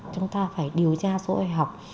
chúng ta phải điều tra số học